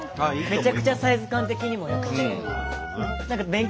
めちゃくちゃサイズ感的にも良くて。